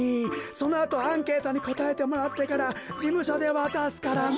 そのあとアンケートにこたえてもらってからじむしょでわたすからね。